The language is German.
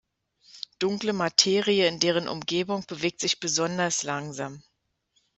Dunkle Materie in deren Umgebung bewegt sich besonders langsam.